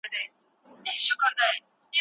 ملي هنداره